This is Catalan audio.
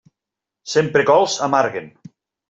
Sempre cols, amarguen.